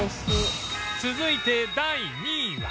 続いて第２位は